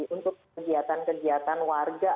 untuk kegiatan kegiatan warga